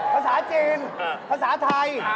ภาษาจีนภาษาไทย